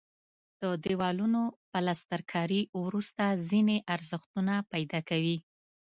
د دیوالونو پلستر کاري وروسته ځینې ارزښتونه پیدا کوي.